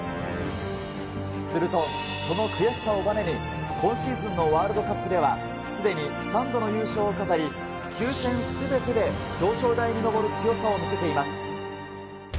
すると、その悔しさをばねに、今シーズンのワールドカップではすでに３度の優勝を飾り、９戦すべてで表彰台に上る強さを見せています。